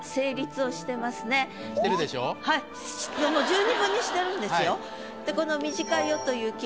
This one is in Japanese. はいもう十二分にしてるんですよ。